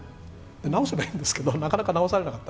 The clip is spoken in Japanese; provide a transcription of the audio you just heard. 直せばいいんですけど、なかなか直されなかった。